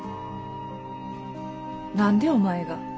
何でお前が？